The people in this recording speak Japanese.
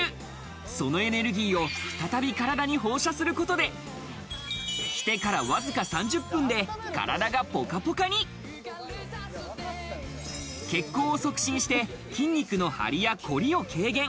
そのエネルギーを再び体に放射することで、着てからわずか３０分で体がポカポカに血行を促進して筋肉の張りやこりを軽減。